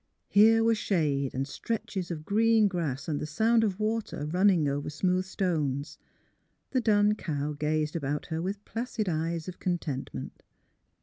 Here were shade and stretches of green grass and the sound of water running over smooth stones; the dun cow gazed about her with placid eyes of contentment.